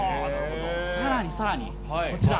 さらにさらに、こちら。